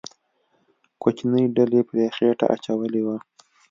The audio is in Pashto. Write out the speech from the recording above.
کوچنۍ ډلې پرې خېټه اچولې وه.